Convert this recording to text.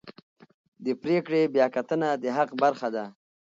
د پرېکړې بیاکتنه د حق برخه ده.